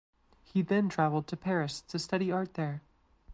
He then travelled to Paris to study art there.